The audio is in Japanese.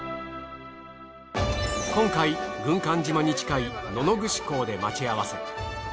今回軍艦島に近い野々串港で待ち合わせ。